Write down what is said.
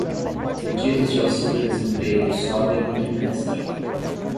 Pedidos de auxílio-desemprego sobem no trimestre